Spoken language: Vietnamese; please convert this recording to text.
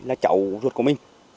là cháu ruột của mình